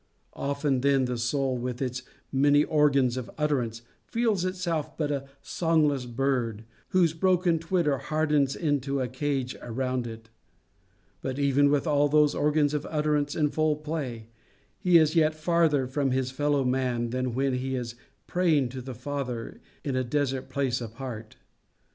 Often then the soul, with its many organs of utterance, feels itself but a songless bird, whose broken twitter hardens into a cage around it; but even with all those organs of utterance in full play, he is yet farther from his fellow man than when he is praying to the Father in a desert place apart.